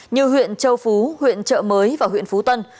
như huyện châu phú huyện trợ mới và huyện phú tân